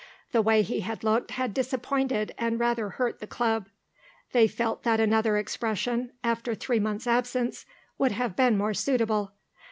The way he had looked had disappointed and rather hurt the Club. They felt that another expression, after three months absence, would have been more suitable.